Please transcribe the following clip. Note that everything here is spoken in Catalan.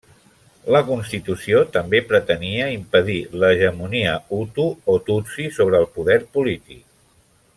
La constitució també pretenia impedir l'hegemonia hutu o tutsi sobre el poder polític.